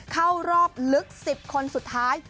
เข้ารอบลึก๑๐คนสุดท้าย